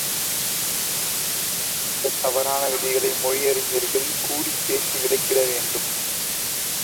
இந்தத் தவறான விதிகளை, மொழி அறிஞர்கள் கூடிப்பேசி விலக்கிவிட வேண்டும்.